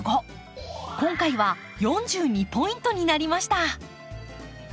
今回は４２ポイントになりました。